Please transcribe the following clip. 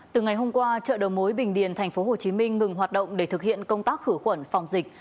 từ ngày hôm qua chợ đầu mối bình điền tp hcm ngừng hoạt động để thực hiện công tác khử khuẩn phòng dịch